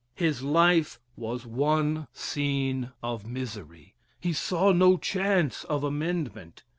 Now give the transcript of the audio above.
His life was one scene of misery. He saw no chance of amendment.